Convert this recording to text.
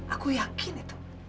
aku yakin itu